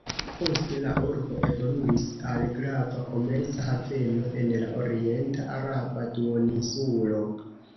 Poste la urbo evoluis al grava komerca haveno en la orienta araba duoninsulo.